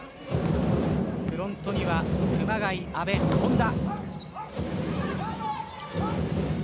フロントには熊谷、阿部、本田。